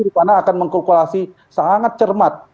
di mana akan mengkalkulasi sangat cermat